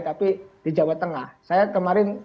tapi di jawa tengah saya kemarin